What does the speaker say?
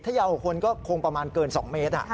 ถ้ายาวกว่าคนก็คงประมาณเกิน๒เมตร